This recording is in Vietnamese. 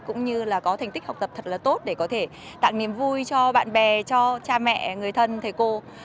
cũng như là có thành tích học tập thật là tốt để có thể tặng niềm vui cho bạn bè cho cha mẹ người thân thầy cô